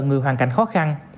người hoàn cảnh khó khăn